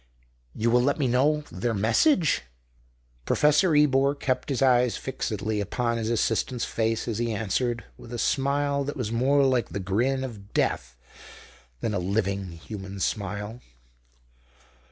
"You will let me know their message?" Professor Ebor kept his eyes fixedly upon his assistant's face as he answered, with a smile that was more like the grin of death than a living human smile.